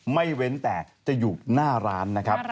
เว้นแต่จะอยู่หน้าร้านนะครับ